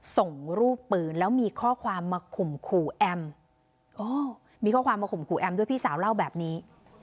ส่งรูปปืนแล้วมีข้อความมาข่มขู่แอมมีข้อความมาข่มขู่แอมด้วยพี่สาวเล่าแบบนี้